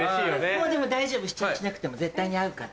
もう大丈夫試着しなくても絶対に合うから。